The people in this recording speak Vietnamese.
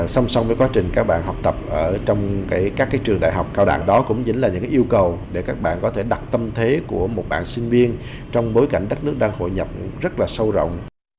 song song với quá trình các bạn học tập trong các trường đại học cao đẳng đó cũng chính là những yêu cầu để các bạn có thể đặt tâm thế của một bạn sinh viên trong bối cảnh đất nước đang hội nhập rất là sâu rộng